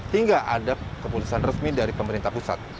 hingga ada keputusan resmi dari pemerintah pusat